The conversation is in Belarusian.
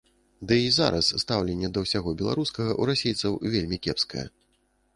Дый і зараз стаўленне да ўсяго беларускага ў расейцаў вельмі кепскае.